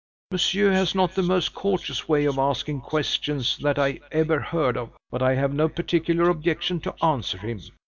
"Monsieur has not the most courteous way of asking questions, that I ever heard of; but I have no particular objection to answer him.